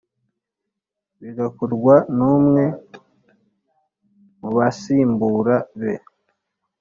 bigakorwa numwe mu basimbura be.